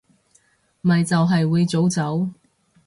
咪就係會早走